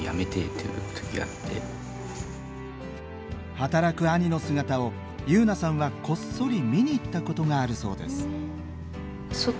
働く兄の姿を優菜さんはこっそり見に行ったことがあるそうです